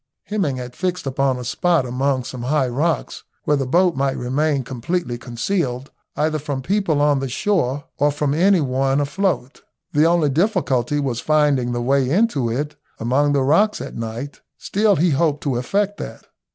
Hemming had fixed upon a spot among some high rocks where the boat might remain completely concealed either from people on the shore or from any one afloat. The only difficulty was finding the way into it among the rocks at night, still he hoped to effect that.